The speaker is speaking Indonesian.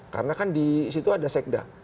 karena kan disitu ada sekda